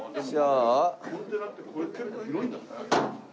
コンテナってこれ結構広いんだね。